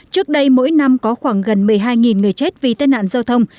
trước đây mỗi năm có khoảng gần một mươi hai người chết vì tai nạn giao thông